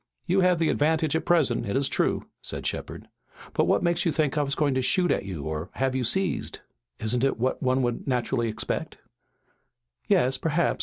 "You have the advantage at present, it is true," said Shepard, "but what makes you think I was going to shoot at you or have you seized?" "Isn't it what one would naturally expect?" "Yes perhaps.